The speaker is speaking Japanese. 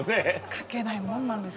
描けないもんなんです。